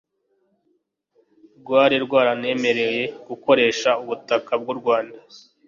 rwari rwaranemereye gukoresha ubutaka bw'u Rwanda